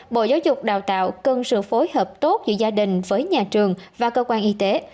bộ giáo dục đào tạo cần sự phối hợp tốt giữa gia đình với nhà trường và cơ quan y tế